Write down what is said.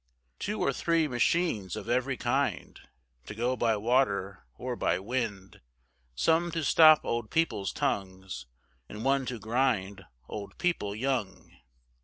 Two or three machines of every kind, To go by water or by wind; Some to stop old people's tongues, And one to grind old people young.